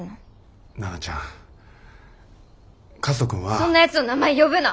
そんなやつの名前呼ぶな。